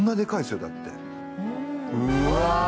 うわ。